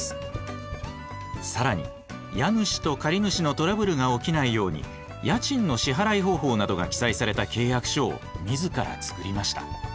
更に家主と借主のトラブルが起きないように家賃の支払い方法などが記載された契約書を自ら作りました。